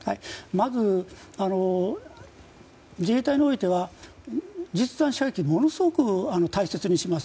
まず自衛隊においては実弾射撃ものすごく大切にします。